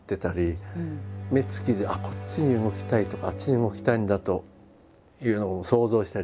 目つきでこっちに動きたいとかあっちに動きたいんだというのを想像したり。